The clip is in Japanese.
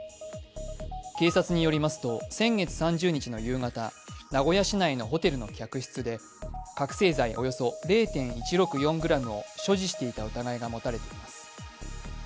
警察によりますと、先月３０日の夕方名古屋市内のホテルの客室で覚醒剤およそ０．１６４ｇを所持していた疑いが持たれています。